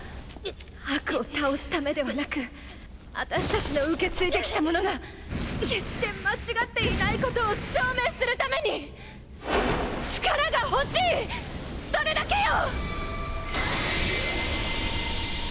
悪を倒すためではなく私たちの受け継いできたものが決して間違っていないことを証明するために力が欲しいそれだけよ！